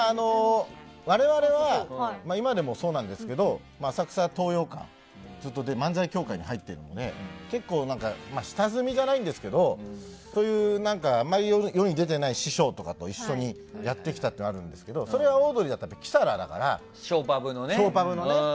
我々は今でもそうなんですけど浅草東洋館ずっと漫才協会に入っているので結構、下積みじゃないんですけどそういう世に出てない師匠とかと一緒にやってきたというのがあるんですけどそれはオードリーはキサラだから、ショーパブの。